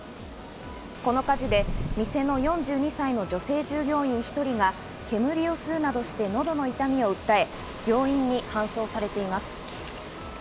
この火事で店の４２歳の女性従業員１人が煙を吸うなどして喉の痛みを訴え、病院に搬送されています。